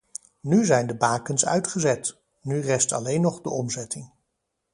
Nu zijn de bakens uitgezet, nu rest alleen nog de omzetting.